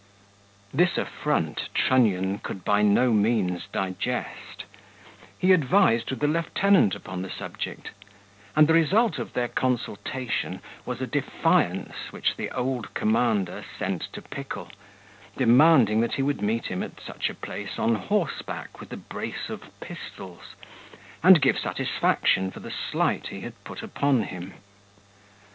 This affront Trunnion could by no means digest: he advised with the lieutenant upon the subject; and the result of their consultation was a defiance which the old commander sent to Pickle, demanding that he would meet him at such a place on horseback with a brace of pistols, and give satisfaction for the slight he had put upon him.